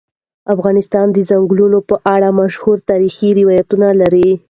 افغانستان د ځنګلونه په اړه مشهور تاریخی روایتونه لري.